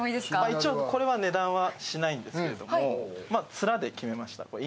一応、これは値段はしないんですけど、ツラで決めました、これは。